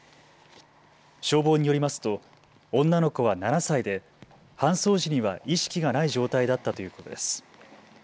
消防によりますと女の子は７歳で搬送時には意識がない状態だったということです。